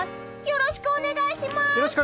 よろしくお願いします！